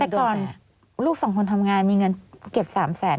แต่ก่อนลูกสองคนทำงานมีเงินเก็บ๓แสน